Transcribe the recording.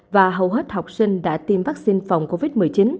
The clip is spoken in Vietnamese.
và hầu hết học sinh đã tiêm vaccine phòng covid một mươi chín